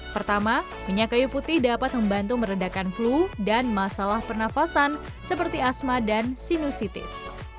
pertama minyak kayu putih dapat membantu meredakan flu dan masalah pernafasan seperti asma dan sinusitis